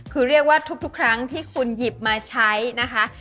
คือเรียกว่าทุกครั้งที่คุณหยิบมาใช้นะคะ